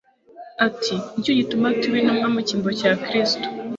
ati : "Nicyo gituma tuba Intumwa mu cyimbo cya Kristo,